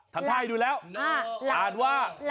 ทำท่าให้ดูแล้วอ่านว่า